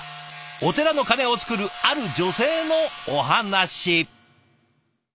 お寺の鐘を作るある女性のお話。